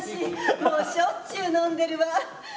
もうしょっちゅう飲んでるわ。